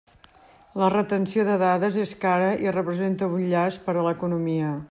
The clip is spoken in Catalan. La retenció de dades és cara i representa un llast per a l'economia.